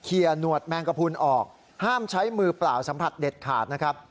หนวดแมงกระพุนออกห้ามใช้มือเปล่าสัมผัสเด็ดขาดนะครับ